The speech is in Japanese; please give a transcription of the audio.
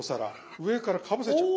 上からかぶせちゃう。